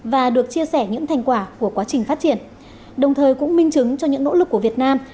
và được chia sẻ những thành quả của quá trình phát triển đồng thời cũng minh chứng cho những nỗ lực của việt nam